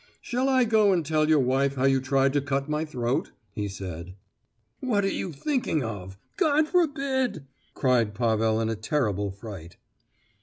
"Shall I go and tell your wife how you tried to cut my throat?" he said. "What are you thinking of—God forbid!" cried Pavel, in a terrible fright.